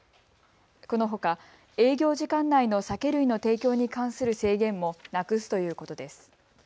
このほか営業時間内の酒類の提供に関する制限もなくすということです。